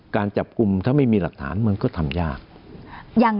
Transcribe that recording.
การจับกลุ่มถ้าไม่มีหลักฐานมันก็ทำยาก